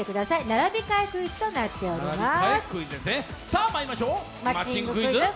並び替えクイズとなっております。